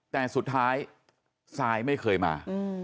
แต่สุดท้ายซายไม่เคยมา